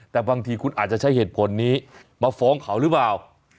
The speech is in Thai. แต่บางทีคุณอาจจะใช้เหตุผลนี้มาฟ้องเขาหรือเปล่า